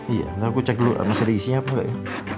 iya nanti aku cek dulu masa diisinya apa nggak ya